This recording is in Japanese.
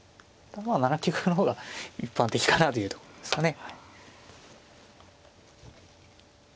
７九角の方が一般的かなというところですかね。